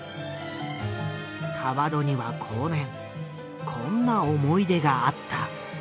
川戸には後年こんな思い出があった。